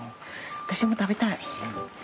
私も食べたい。